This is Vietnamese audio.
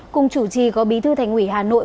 cùng chủ trì có bí thư thành ủy hà nội